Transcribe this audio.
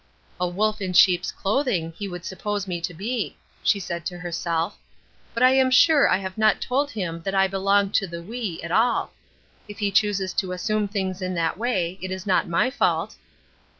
"'A wolf in sheep's clothing' he would suppose me to be," she said to herself. "But I am sure I have not told him that I belong to the 'we' at all. If he chooses to assume things in that way, it is not my fault."